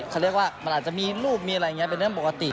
เขาเรียกว่ามันอาจจะมีรูปมีอะไรอย่างนี้เป็นเรื่องปกติ